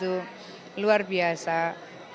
mereka datang mereka menawarkan diri dengan jejaring jejaring